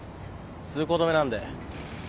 通行止めなんで。